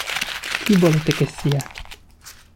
Chi volete che sia?